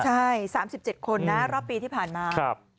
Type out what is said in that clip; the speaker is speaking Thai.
ใช่๓๗คนนะรอบปีที่ผ่านมา